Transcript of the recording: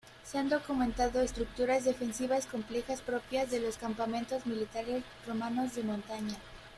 Se han documentado estructuras defensivas complejas propias de los campamentos militares romanos de montaña.